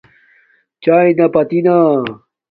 ثایݵے نا پتی نا